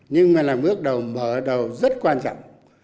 nhưng mà là bước đầu mở đầu rất quan trọng